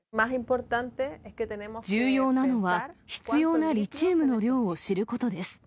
重要なのは、必要なリチウムの量を知ることです。